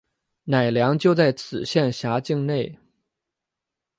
乃良就在此县辖境内。